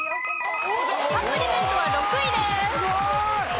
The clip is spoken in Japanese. サプリメントは６位です。